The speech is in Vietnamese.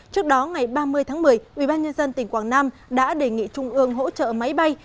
trước đó ngày ba mươi tháng một mươi ubnd tỉnh quảng nam đã đề nghị trung ương hỗ trợ máy bay